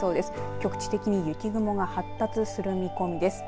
局地的に雪雲が発達する見込みです。